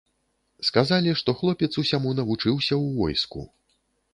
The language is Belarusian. Сказалі, што хлопец усяму навучыўся ў войску.